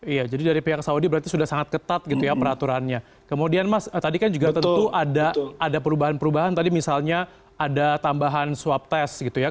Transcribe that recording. iya jadi dari pihak saudi berarti sudah sangat ketat gitu ya peraturannya kemudian mas tadi kan juga tentu ada perubahan perubahan tadi misalnya ada tambahan swab test gitu ya